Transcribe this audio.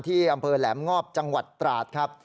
ที่อำเภอแหลมงอบจังหวัดตราดครับ